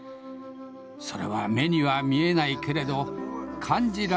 それは目には見えないけれど感じられる何かです。